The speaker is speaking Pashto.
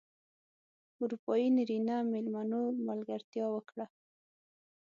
اروپايي نرینه مېلمنو ملګرتیا وکړه.